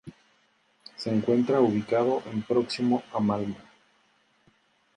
Se encuentra ubicado en próximo a Malmö.